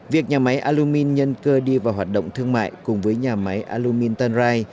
việc nhà máy alumin nhân cơ đi vào hoạt động thương mại cùng với nhà máy alumin tân rai